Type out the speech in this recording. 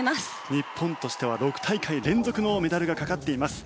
日本としては６大会連続のメダルがかかっています。